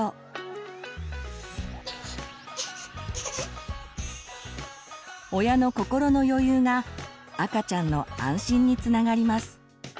または親の心の余裕が赤ちゃんの安心につながります。